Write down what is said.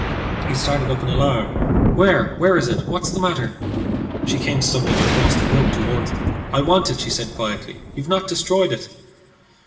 He started up in alarm. "Where? Where is it? What's the matter?" She came stumbling across the room toward him. "I want it," she said, quietly. "You've not destroyed it?"